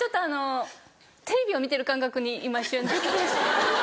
テレビを見てる感覚に今一瞬なって。